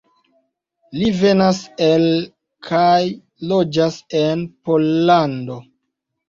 Li venas el kaj loĝas en Pollando.